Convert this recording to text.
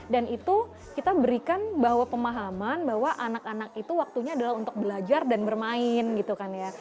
dan itu kita berikan bahwa pemahaman bahwa anak anak itu waktunya adalah untuk belajar dan bermain gitu kan ya